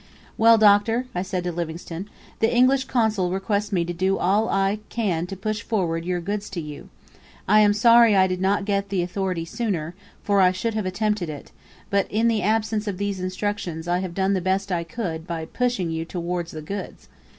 "Well, Doctor," said I to Livingstone, "the English Consul requests me to do all I can to push forward your goods to you. I am sorry that I did not get the authority sooner, for I should have attempted it; but in the absence of these instructions I have done the best I could by pushing you towards the goods.